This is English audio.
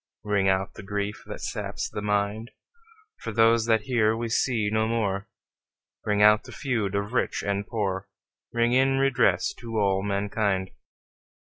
Ring out the grief that saps the mind, For those that here we see no more, Ring out the feud of rich and poor, Ring in redress to all mankind.